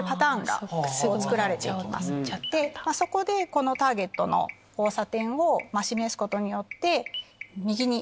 そこでターゲットの交差点を示すことによって右に。